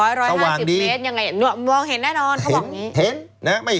ยังไงบ้างงบมองเห็นแน่นอน